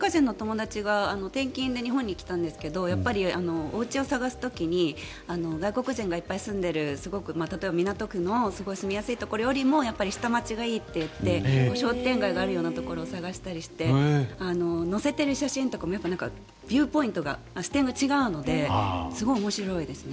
最近私アメリカ人の友人が転勤で日本に来たんですけどやっぱり、おうちを探す時に外国人がいっぱい住んでる港区のすごい住みやすいところよりも下町がいいって言って商店街あるようなところを探したりして載せている写真とかもビューポイントが視点が違うのですごい面白いですね。